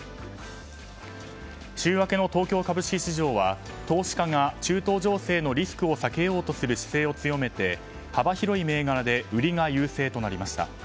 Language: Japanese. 週明けの東京株式市場は投資家が中東情勢のリスクを避けようとする姿勢を強めて幅広い銘柄で売りが優勢となりました。